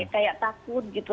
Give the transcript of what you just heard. kayak takut gitu